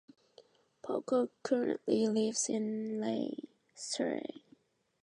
Pocock currently lives in Leigh, Surrey.